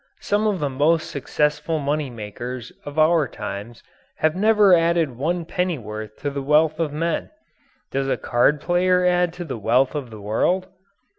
Some of the most successful money makers of our times have never added one pennyworth to the wealth of men. Does a card player add to the wealth of the world?